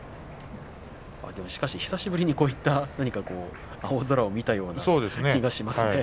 しかし久しぶりにこういった何か青空を見たような気がしますね。